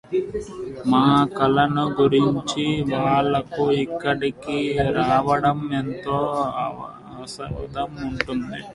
మా కళను గుర్తించి వాళ్ళు ఇక్కడికి రావడం ఎంతో ఆనందంగా ఉంటుంది.